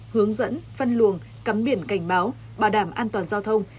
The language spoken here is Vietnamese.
hướng dẫn phân luồng cắm biển cảnh báo bảo đảm an toàn giao thông